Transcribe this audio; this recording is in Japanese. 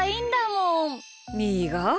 みーが？